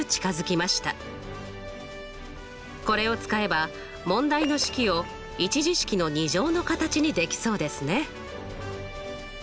これを使えば問題の式を１次式の２乗の形にできそうですね！